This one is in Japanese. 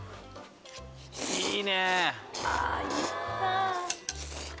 いいね。